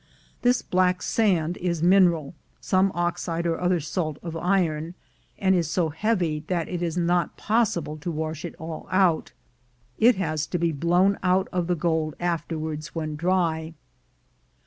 This black sand is mineral (some oxide or other salt of iron), and is so heavy that it is not possible to wash it all out; it has to. Jbe blown out of the gold afterwards when dry.